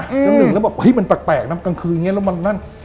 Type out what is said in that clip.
เจ้านึงบอกมันแปลกนะกลางคืนอย่างนี้แล้วมันนั่น